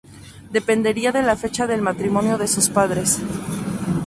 Dependería de la fecha del matrimonio de sus padres.